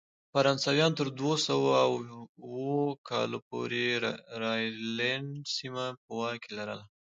فرانسویانو تر دوه سوه اووه کال پورې راینلنډ سیمه په واک کې لرله.